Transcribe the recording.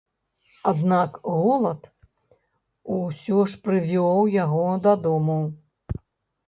Аднак голад усё ж прывёў яго дадому.